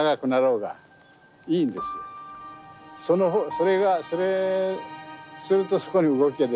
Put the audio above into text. それがそれするとそこに動きが出るんです。